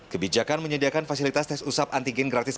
kebijakan menyediakan fasilitas tes usap antigen gratis